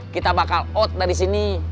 kita bakal oat dari sini